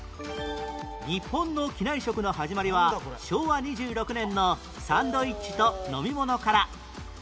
日本の機内食の始まりは昭和２６年のサンドイッチと飲み物から